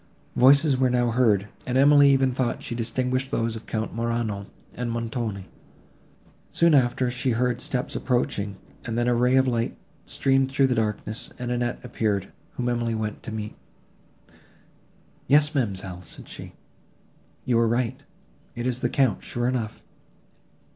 Voices were now heard, and Emily even thought she distinguished those of Count Morano and Montoni. Soon after she heard steps approaching, and then a ray of light streamed through the darkness, and Annette appeared, whom Emily went to meet. "Yes, ma'amselle," said she, "you were right, it is the Count sure enough."